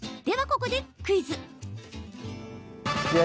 ではここでクイズ。